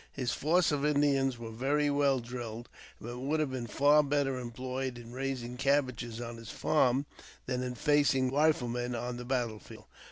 His force of Indians were very well drilled, but would have been far better employed in raising cabbages on his farm than in facing rebel riflemen on the battle field.